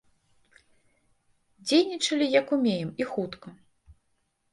Дзейнічалі як ўмеем і хутка.